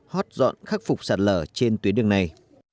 hót dọn khắc phục sạt lở trên tuyến đường này